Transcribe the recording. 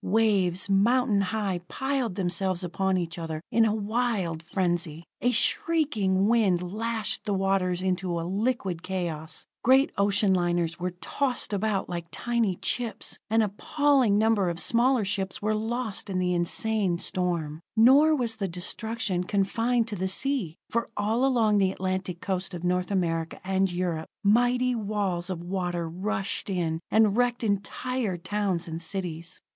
Waves, mountain high, piled themselves upon each other in a wild frenzy; a shrieking wind lashed the waters into a liquid chaos. Great ocean liners were tossed about like tiny chips; an appalling number of smaller ships were lost in that insane storm. Nor was the destruction confined to the sea, for all along the Atlantic coast of North America and Europe, mighty walls of water rushed in, and wrecked entire towns and cities.